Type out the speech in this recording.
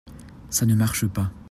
Ça ne marche pas.